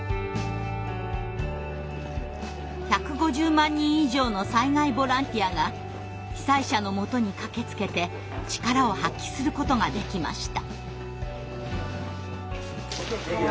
１５０万人以上の災害ボランティアが被災者のもとに駆けつけて力を発揮することができました。